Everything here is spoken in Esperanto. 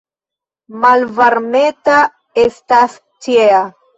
Malvarmeta estas ĉiea.